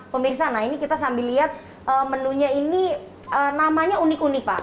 pemirsa nah ini kita sambil lihat menunya ini namanya unik unik pak